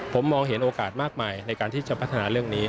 ผมมองเห็นโอกาสมากมายในการที่จะพัฒนาเรื่องนี้